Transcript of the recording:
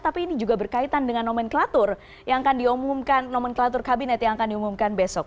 tapi ini juga berkaitan dengan nomenklatur yang akan diumumkan nomenklatur kabinet yang akan diumumkan besok